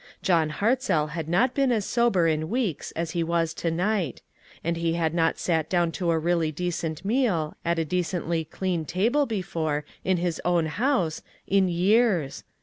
John Hartzell had not been as sober in weeks as he was to night ; and he had not sat down to a really decent meal, at a de cently clean table before, in his own house, in years